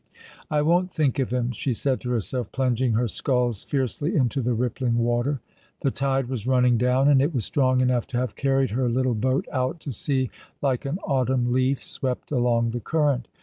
" I won't think of him," she said to herself, plunging her sculls fiercely into the rippliug water. The tide was running down, and it was strong enough to have carried her little boat out to sea like an autumn leaf swept along the current.